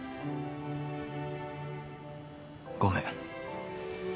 ごめん。